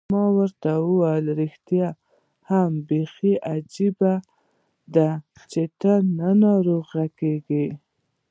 ما وویل: ریښتیا هم، بیخي عجبه ده، چي ته نه ناروغه کېږې.